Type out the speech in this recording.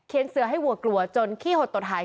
เขียนเสือให้วัวกลัวจนขี้หดต่อถ่าย